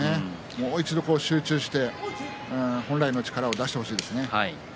もう一度集中して本来の力を出してほしいですね。